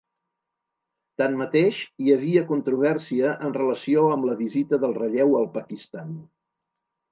Tanmateix, hi havia controvèrsia en relació amb la visita del relleu al Pakistan.